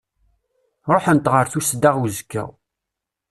Ruḥen-t ɣer tusda uẓekka.